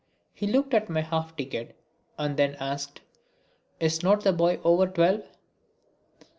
He looked at my half ticket and then asked: "Is not the boy over twelve?"